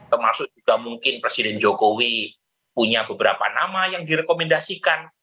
termasuk juga mungkin presiden jokowi punya beberapa nama yang direkomendasikan